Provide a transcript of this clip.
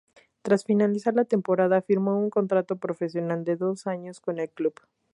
Tras finalizar la temporada, firmó un contrato profesional de dos años con el club.